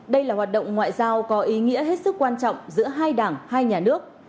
đây là hoạt động ngoại giao có ý nghĩa hết sức quan trọng giữa hai đảng hai nhà nước